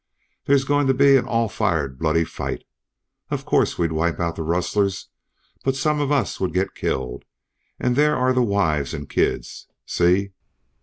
There's going to be an all fired bloody fight. Of course we'd wipe out the rustlers, but some of us would get killed and there are the wives and kids. See!"